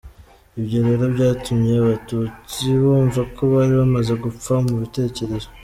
Ibyo rero byatumye Abatutsi bumva ko bari bamaze gupfa mu bitekerezo.